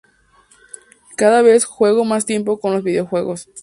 Cada vez juego más tiempo con los videojuegos.